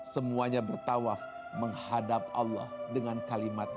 semuanya bertawaf menghadap allah dengan kalimatnya